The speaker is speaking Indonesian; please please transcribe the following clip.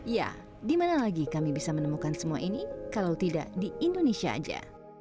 ya dimana lagi kami bisa menemukan semua ini kalau tidak di indonesia saja